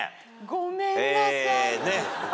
ごめんなさい。